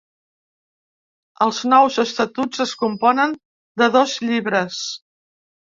Els nous estatuts es componen de dos llibres.